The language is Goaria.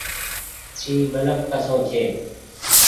اي بلڦ ڪسو ڇي۔